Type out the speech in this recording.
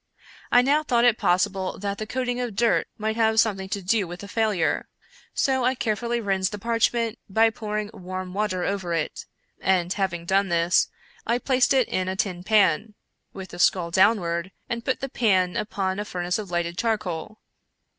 I now thought it possible that the coating of dirt might have something to do with the failure : so I carefully rinsed the parchment by pouring warm water over it, and, having done this, I placed it in a tin pan, with the skull downward, and put the pan upon a furnace of lighted charcoal.